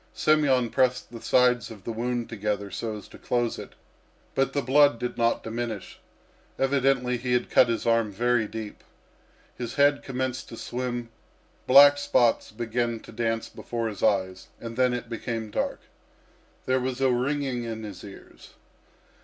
Semyon pressed the sides of the wound together so as to close it, but the blood did not diminish. Evidently he had cut his arm very deep. His head commenced to swim, black spots began to dance before his eyes, and then it became dark. There was a ringing in his ears.